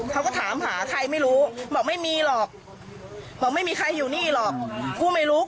เขาก็ถามหาใครไม่รู้บอกไม่มีหรอก